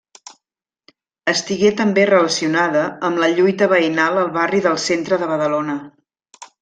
Estigué també relacionada amb la lluita veïnal al barri del Centre de Badalona.